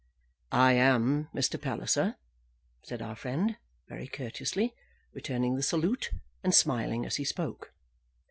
"I am Mr. Palliser," said our friend, very courteously, returning the salute, and smiling as he spoke.